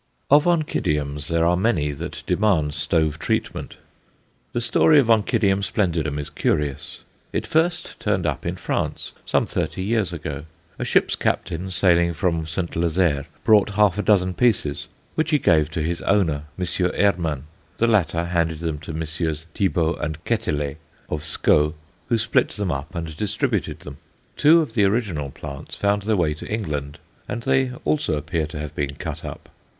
Of Oncidiums there are many that demand stove treatment. The story of Onc. splendidum is curious. It first turned up in France some thirty years ago. A ship's captain sailing from St. Lazare brought half a dozen pieces, which he gave to his "owner," M. Herman. The latter handed them to MM. Thibaut and Ketteler, of Sceaux, who split them up and distributed them. Two of the original plants found their way to England, and they also appear to have been cut up.